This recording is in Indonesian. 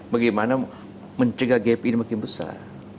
bagaimana mencegah gap ini makin besar